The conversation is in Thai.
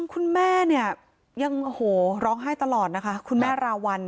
คุณแม่เนี่ยยังโอ้โหร้องไห้ตลอดนะคะคุณแม่ราวัล